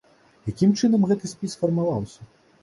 Якім чынам гэты спіс фармаваўся?